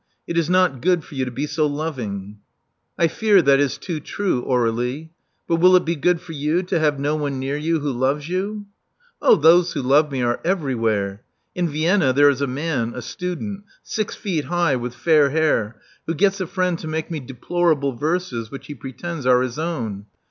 It is not good for you to be so loving." I fear that it too true, Aurdlie. But will it be good for you to have no one near you who loves you?" 0h, those who love me are everywhere. In Vienna there is a man — a student — six feet high, with fair hair, who gets a friend to make me deplorable verses which he pretends are his own.